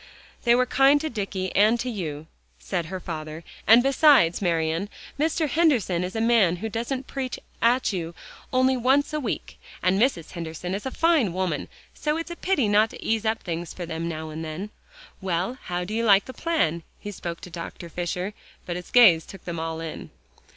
"They were kind to Dicky and to you," said her father; "and besides, Marian, Mr. Henderson is a man who doesn't preach at you only once a week, and Mrs. Henderson is a fine woman. So it's a pity not to ease up things for them now and then. Well, how do you like the plan?" He spoke to Dr. Fisher, but his gaze took them all in.